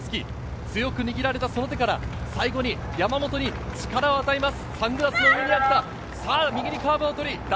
強く握られたその手から最後に山本に力を与えます。